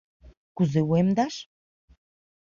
Кузе уэмдаш?